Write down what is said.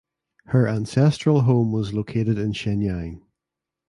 Her ancestral home was located in Shenyang.